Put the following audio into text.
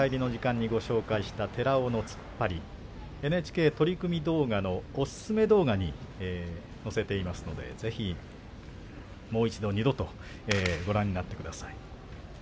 きょう中入りの時間にご紹介した寺尾の突っ張り、ＮＨＫ取組動画のおすすめ動画に載せていますのでぜひ、ご覧ください。